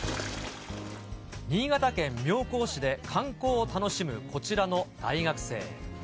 新潟県妙高市で、観光を楽しむこちらの大学生。